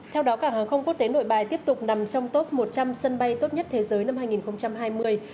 theo đó cả hàng không quốc tế nội bài tiếp tục nằm trong top một trăm linh sân bay top nhất thế giới